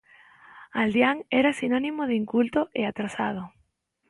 Aldeán era sinónimo de inculto e atrasado.